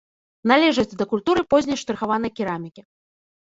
Належыць да культуры позняй штрыхаванай керамікі.